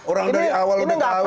orang dari awal